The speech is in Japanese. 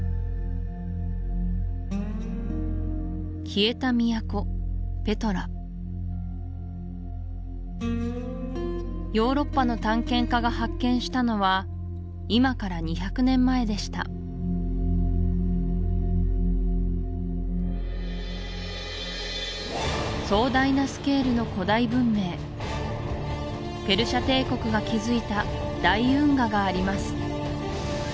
消えた都ペトラヨーロッパの探検家が発見したのは今から２００年前でした壮大なスケールの古代文明ペルシャ帝国が築いた大運河があります